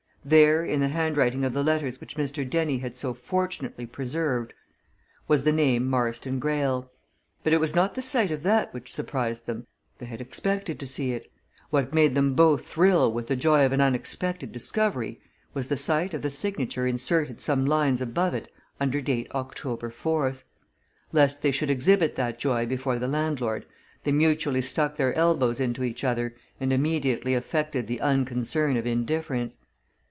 There, in the handwriting of the letters which Mr. Dennie had so fortunately preserved, was the name Marston Greyle. But it was not the sight of that which surprised them; they had expected to see it. What made them both thrill with the joy of an unexpected discovery was the sight of the signature inserted some lines above it, under date October 4th. Lest they should exhibit that joy before the landlord, they mutually stuck their elbows into each other and immediately affected the unconcern of indifference.